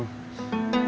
ya udah rom